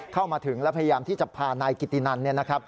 เข้ามาถึงและพยายามที่จะพานายกิตตินัน